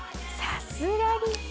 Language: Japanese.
さすがに。